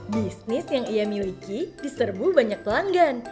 bisnis yang ia miliki diserbu banyak pelanggan